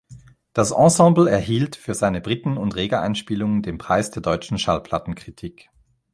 Das Ensemble erhielt „für seine Britten- und Reger-Einspielungen den Preis der deutschen Schallplattenkritik“.